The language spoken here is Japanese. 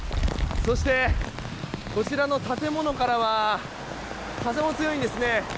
そして、こちらの建物からは風も強いんですね